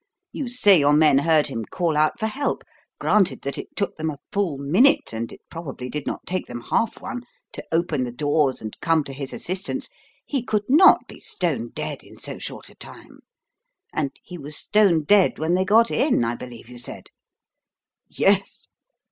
You say your men heard him call out for help. Granted that it took them a full minute and it probably did not take them half one to open the doors and come to his assistance, he would not be stone dead in so short a time; and he was stone dead when they got in, I believe you said?" "Yes.